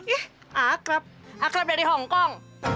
ih akrab akrab dari hongkong